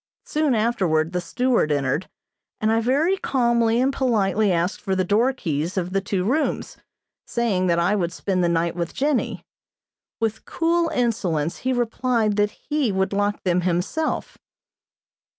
Soon afterward the steward entered, and I very calmly and politely asked for the door keys of the two rooms, saying that I would spend the night with Jennie. With cool insolence he replied that he would lock them himself.